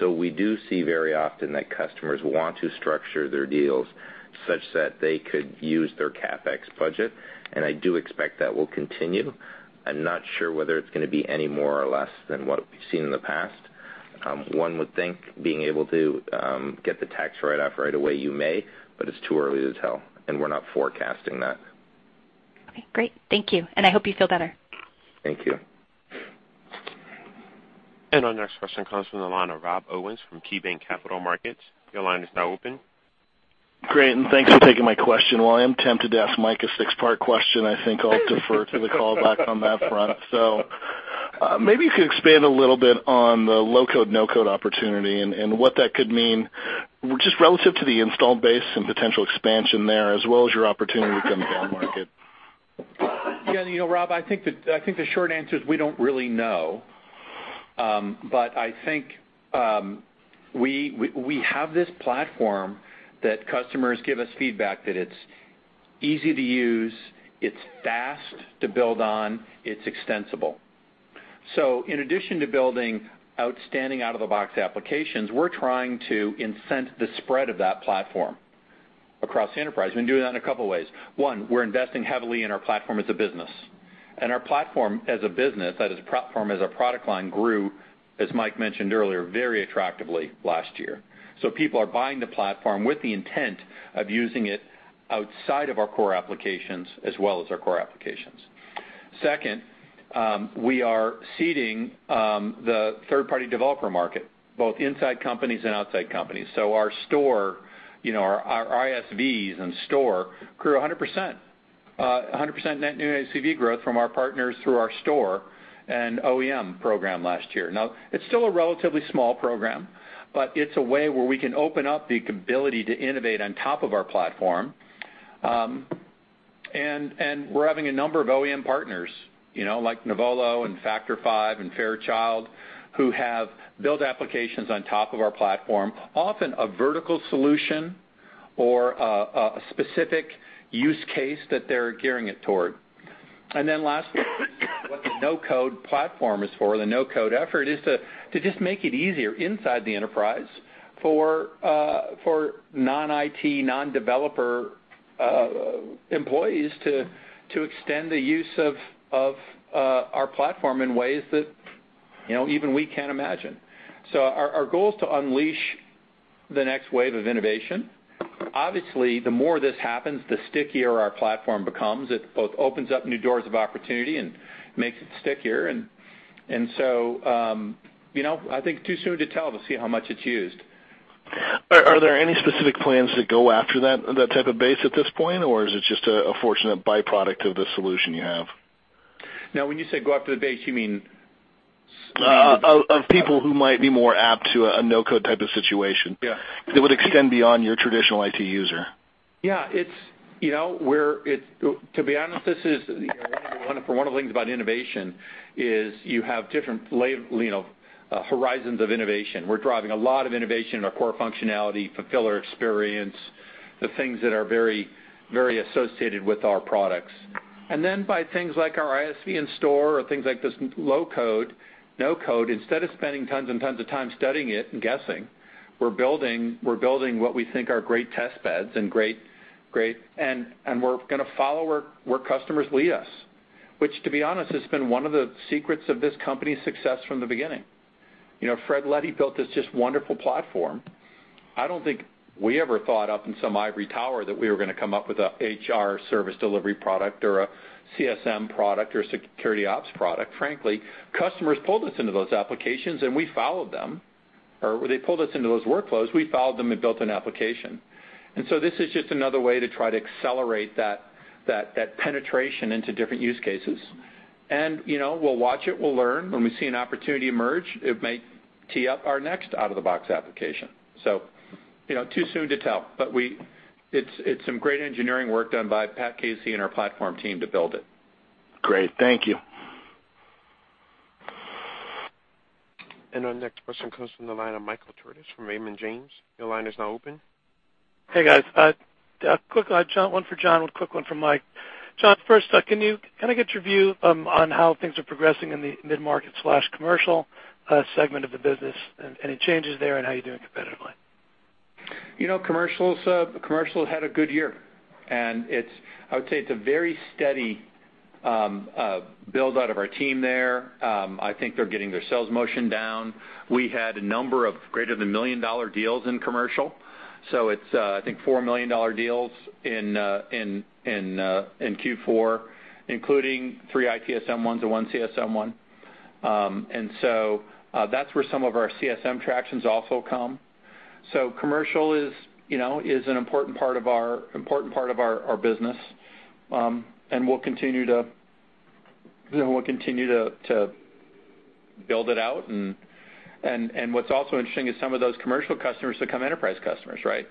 We do see very often that customers want to structure their deals such that they could use their CapEx budget. I do expect that will continue. I'm not sure whether it's going to be any more or less than what we've seen in the past. One would think being able to get the tax write-off right away, you may, but it's too early to tell, and we're not forecasting that. Okay, great. Thank you. I hope you feel better. Thank you. Our next question comes from the line of Rob Owens from KeyBanc Capital Markets. Your line is now open. Great, thanks for taking my question. While I am tempted to ask Mike a six-part question, I think I'll defer to the callback on that front. Maybe if you could expand a little bit on the low-code, no-code opportunity and what that could mean, just relative to the installed base and potential expansion there, as well as your opportunity within the downmarket. Yeah, Rob, I think the short answer is we don't really know. I think we have this platform that customers give us feedback that it's easy to use, it's fast to build on, it's extensible. In addition to building outstanding out-of-the-box applications, we're trying to incent the spread of that platform across the enterprise. We've been doing that in a couple ways. One, we're investing heavily in our platform as a business. Our platform as a business, that is platform as a product line, grew, as Mike mentioned earlier, very attractively last year. People are buying the platform with the intent of using it outside of our core applications as well as our core applications. Second, we are seeding the third-party developer market, both inside companies and outside companies. Our store, our ISVs and store grew 100%, 100% net new ACV growth from our partners through our store and OEM program last year. It's still a relatively small program, but it's a way where we can open up the ability to innovate on top of our platform. We're having a number of OEM partners, like Nuvolo and Factor5 and Fairchild, who have built applications on top of our platform, often a vertical solution or a specific use case that they're gearing it toward. Lastly, what the no-code platform is for, the no-code effort, is to just make it easier inside the enterprise for non-IT, non-developer employees to extend the use of our platform in ways that even we can't imagine. Our goal is to unleash the next wave of innovation. Obviously, the more this happens, the stickier our platform becomes. It both opens up new doors of opportunity and makes it stickier. I think too soon to tell to see how much it's used. Are there any specific plans to go after that type of base at this point? Or is it just a fortunate byproduct of the solution you have? When you say go after the base, you mean? Of people who might be more apt to a no-code type of situation. Yeah. That would extend beyond your traditional IT user. Yeah. To be honest, one of the things about innovation is you have different horizons of innovation. We're driving a lot of innovation in our core functionality, fulfiller experience, the things that are very associated with our products. Then by things like our ISV in store or things like this low-code, no-code, instead of spending tons and tons of time studying it and guessing, we're building what we think are great test beds. We're going to follow where customers lead us, which, to be honest, has been one of the secrets of this company's success from the beginning. Fred Luddy built this just wonderful platform. I don't think we ever thought up in some ivory tower that we were going to come up with a HR Service Delivery product or a CSM product or security ops product. Frankly, customers pulled us into those applications and we followed them, or they pulled us into those workflows, we followed them and built an application. This is just another way to try to accelerate that penetration into different use cases. We'll watch it, we'll learn. When we see an opportunity emerge, it may tee up our next out-of-the-box application. Too soon to tell, but it's some great engineering work done by Pat Casey and our platform team to build it. Great. Thank you. Our next question comes from the line of Michael Turits from Raymond James. Your line is now open. Hey, guys. One for John, one quick one from Mike. John, first, can I get your view on how things are progressing in the mid-market/commercial segment of the business, any changes there, and how you're doing competitively? Commercial had a good year. I would say it's a very steady build out of our team there. I think they're getting their sales motion down. We had a number of greater than million-dollar deals in commercial. It's, I think four million-dollar deals in Q4, including three ITSM ones and one CSM one. That's where some of our CSM tractions also come. Commercial is an important part of our business. We'll continue to build it out. What's also interesting is some of those commercial customers become enterprise customers, right?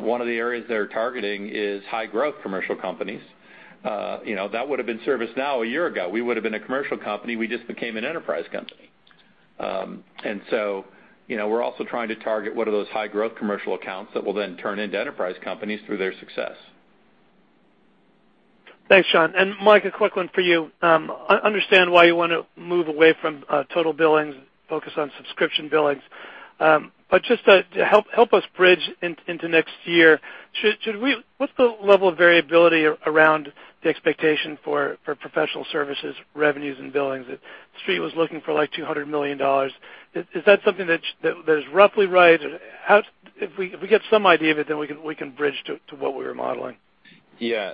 One of the areas they're targeting is high growth commercial companies. That would've been ServiceNow a year ago. We would've been a commercial company. We just became an enterprise company. We're also trying to target what are those high growth commercial accounts that will then turn into enterprise companies through their success. Thanks, John. Mike, a quick one for you. I understand why you want to move away from total billings and focus on subscription billings. Just to help us bridge into next year, what's the level of variability around the expectation for professional services revenues and billings? The street was looking for like $200 million. Is that something that is roughly right? If we get some idea of it, then we can bridge to what we were modeling. Yeah.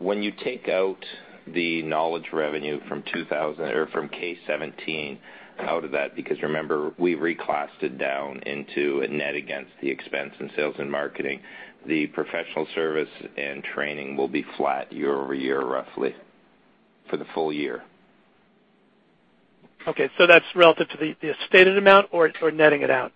When you take out the knowledge revenue from K17 out of that, because remember, we reclassed it down into a net against the expense in sales and marketing, the professional service and training will be flat year-over-year, roughly, for the full year. Okay. That's relative to the stated amount or netting it out?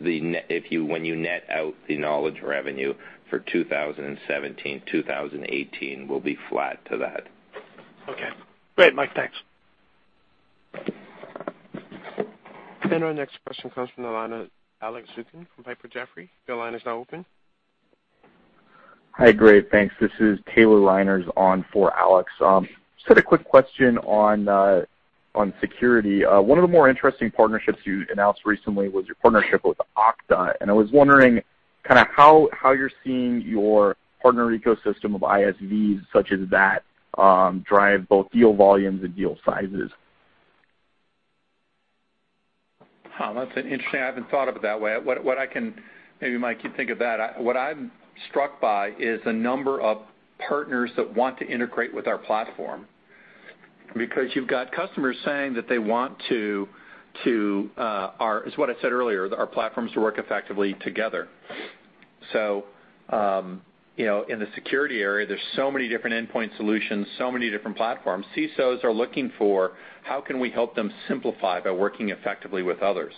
When you net out the knowledge revenue for 2017, 2018 will be flat to that. Okay. Great, Mike. Thanks. Our next question comes from the line of Alex Zukin from Piper Jaffray. Your line is now open. Hi. Great. Thanks. This is Taylor Reiners on for Alex. Just had a quick question on security. One of the more interesting partnerships you announced recently was your partnership with Okta, and I was wondering how you're seeing your partner ecosystem of ISVs such as that drive both deal volumes and deal sizes. That's an interesting. I haven't thought of it that way. Maybe, Mike, you think of that. What I'm struck by is the number of partners that want to integrate with our platform because you've got customers saying that they want to, as what I said earlier, our platforms to work effectively together. In the security area, there's so many different endpoint solutions, so many different platforms. CISOs are looking for how can we help them simplify by working effectively with others?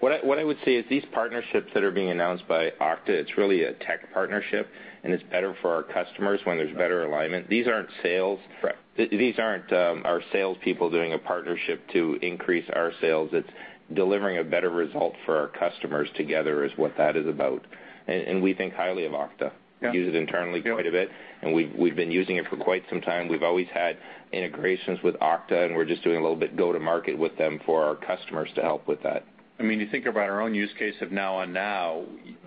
What I would say is these partnerships that are being announced by Okta, it's really a tech partnership, and it's better for our customers when there's better alignment. These aren't sales- Correct these aren't our sales people doing a partnership to increase our sales. It's delivering a better result for our customers together is what that is about. We think highly of Okta. Yeah. We use it internally quite a bit. We've been using it for quite some time. We've always had integrations with Okta, and we're just doing a little bit go-to-market with them for our customers to help with that. You think about our own use case of Now on Now,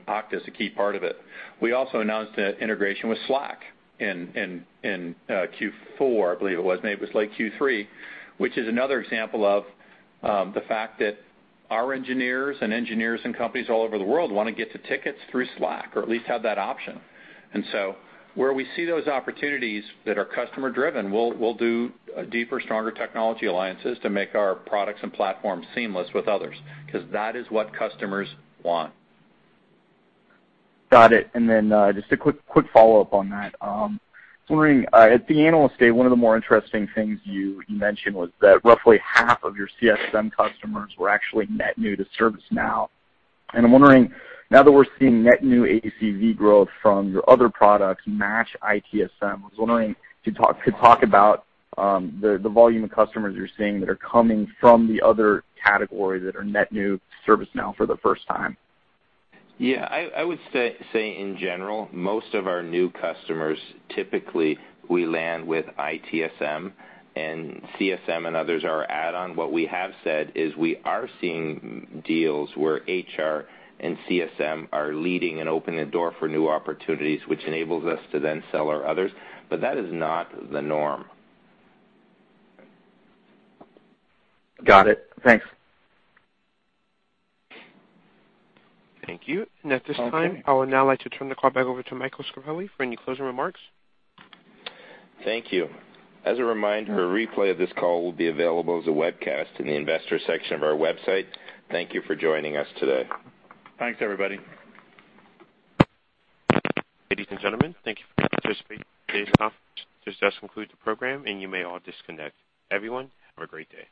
Okta's a key part of it. We also announced an integration with Slack in Q4, I believe it was. Maybe it was late Q3, which is another example of the fact that our engineers and engineers in companies all over the world want to get to tickets through Slack or at least have that option. Where we see those opportunities that are customer-driven, we'll do deeper, stronger technology alliances to make our products and platforms seamless with others because that is what customers want. Got it. Just a quick follow-up on that. I was wondering, at the Analyst Day, one of the more interesting things you mentioned was that roughly half of your CSM customers were actually net new to ServiceNow. I'm wondering now that we're seeing net new ACV growth from your other products match ITSM, I was wondering could you talk about the volume of customers you're seeing that are coming from the other category that are net new to ServiceNow for the first time? Yeah. I would say in general, most of our new customers, typically we land with ITSM and CSM and others are add-on. What we have said is we are seeing deals where HR and CSM are leading and opening a door for new opportunities, which enables us to then sell our others, but that is not the norm. Got it. Thanks. Thank you. At this time, I would now like to turn the call back over to Michael Scarpelli for any closing remarks. Thank you. As a reminder, a replay of this call will be available as a webcast in the investor section of our website. Thank you for joining us today. Thanks, everybody. Ladies and gentlemen, thank you for participating in today's conference. This does conclude the program, you may all disconnect. Everyone, have a great day.